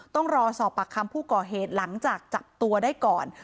ต้องรอสอบปากคำผู้ก่อเหตุหลังจากจับตัวได้ก่อน